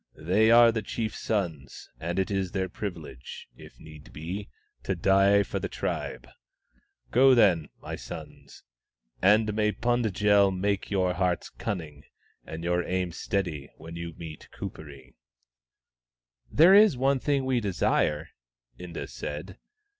" They are the chief's sons, and it is their privilege, if need be, to die for the tribe. Go, then, my sons, and may Pund jel make your hearts cunning and your aim steady when you meet Kuperee." " There is one thing we desire," Inda said.